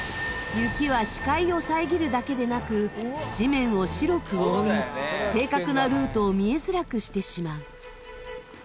雪は視界を遮るだけでなく地面を白く覆い正確なルートを見えづらくしてしまう。